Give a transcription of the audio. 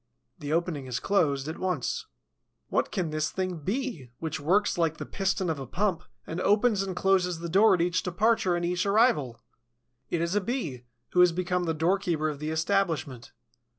The opening is closed at once. What can this thing be, which works like the piston of a pump, and opens and closes the door at each departure and each arrival? It is a Bee, who has become the doorkeeper of the establishment.